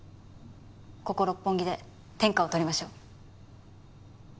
ここ六本木で天下を取りましょう。